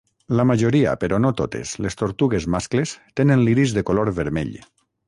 La majoria, però no totes, les tortugues mascles tenen l'iris de color vermell.